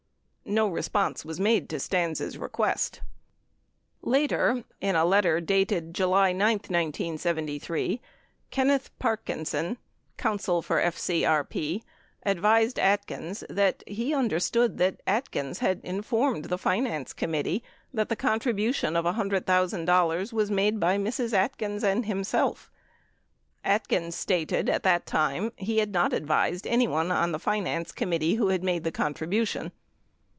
86 No response was made to Stans' request. Later, in a letter 37 dated July 9, 1973, Kenneth Parkinson, counsel for FCRP, advised Atkins that he understood that Atkins had in formed the finance committee that the contribution of $100,000 was made by Mrs. Atkins and himself. Atkins stated at that time he had not advised anyone on the finance committee who had made the con tribution.